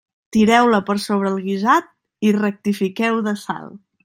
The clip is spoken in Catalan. Tireu-la per sobre el guisat i rectifiqueu de sal.